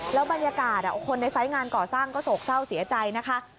แล้วบรรยากาศคนในไซส์งานก่อสร้างก็โศกเศร้าเสียใจนะคะ